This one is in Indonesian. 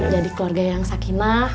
jadi keluarga yang sakinah